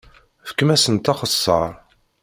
Fkem-asent axeṣṣar!